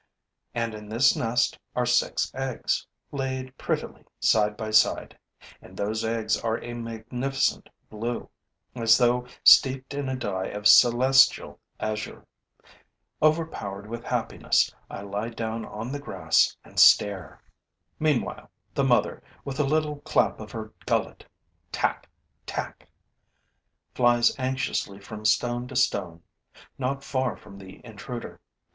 And in this nest are six eggs, laid prettily side by side; and those eggs are a magnificent blue, as though steeped in a dye of celestial azure. Overpowered with happiness, I lie down on the grass and stare. Meanwhile, the mother, with a little clap of her gullet 'Tack! Tack!' flies anxiously from stone to stone, not far from the intruder.